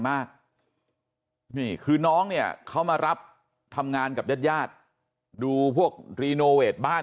มากคือน้องเนี่ยเขามารับทำงานกับญาติญาติดูพวกบ้าน